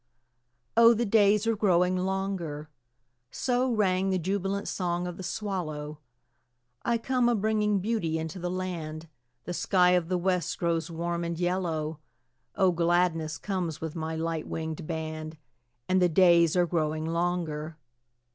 Oh, the days are growing longer; So rang the jubilant song of the swallow; I come a bringing beauty into the land, The sky of the West grows warm and yellow, Oh, gladness comes with my light winged band, And the days are growing longer.